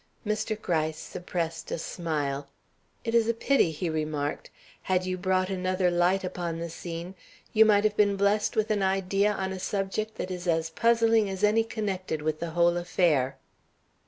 Mr. Gryce suppressed a smile. "It is a pity," he remarked. "Had you brought another light upon the scene, you might have been blessed with an idea on a subject that is as puzzling as any connected with the whole affair."